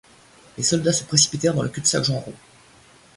Les soldats se précipitèrent dans le cul-de-sac Genrot.